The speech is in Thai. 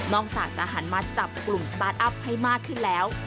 จากจะหันมาจับกลุ่มสตาร์ทอัพให้มากขึ้นแล้ว